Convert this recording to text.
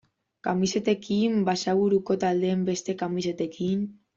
Kamisetekin, Basaburuko taldeen beste kamisetekin...